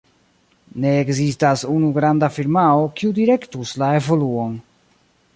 Ne ekzistas unu granda firmao, kiu direktus la evoluon.